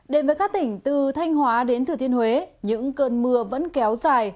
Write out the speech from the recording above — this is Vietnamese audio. đến với các tỉnh từ thanh hóa đến thừa thiên huế những cơn mưa vẫn kéo dài